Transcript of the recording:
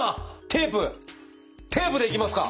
テープでいきますか？